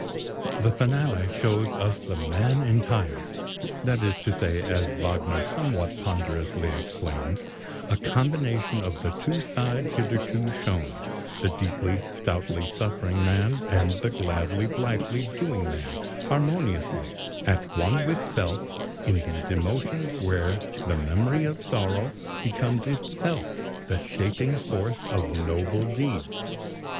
The finale shows us the man entire [that is to say, as Wagner somewhat ponderously explains, a combination of the two sides hitherto shown the "deeply, stoutly suffering man," and the "gladly, blithely doing man"] harmoniously "at one with self, in these emotions where the memory of Sorrow becomes itself the shaping force of noble deeds....